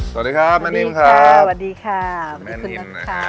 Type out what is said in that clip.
สวัสดีครับแม่นินครับสวัสดีครับสวัสดีคุณพุทธค่ะ